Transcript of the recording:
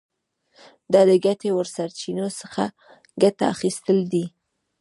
دا د ګټې وړ سرچینو څخه ګټه اخیستل دي.